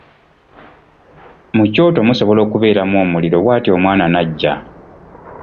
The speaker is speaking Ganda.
Mu kyoto musobola okubeeramu omuliro bw'atyo omwana n'aggya.